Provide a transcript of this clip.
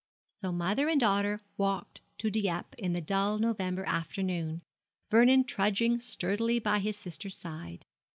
So mother and daughter walked to Dieppe in the dull November afternoon, Vernon trudging sturdily by his sister's side.